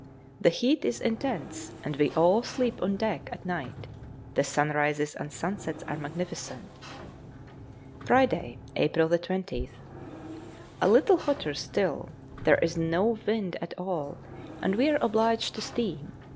The heat is intense, and we all sleep on deck at night; the sunrises and sunsets are magnificent. Friday, April 20th. A little hotter still; there is no wind at all, and we are obliged to steam.